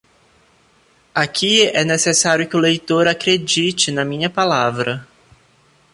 Aqui é necessário que o leitor acredite na minha palavra.